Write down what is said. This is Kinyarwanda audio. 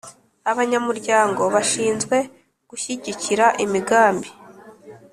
Abanyamuryango bashinzwe gushyigikira imigambi.